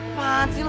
apaan sih lu